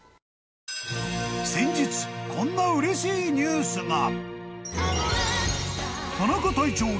［先日こんなうれしいニュースが］